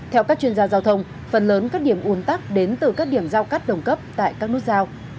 theo các chuyên gia giao thông phần lớn các điểm un tắc đến từ các điểm giao cắt đồng cấp tại các nút giao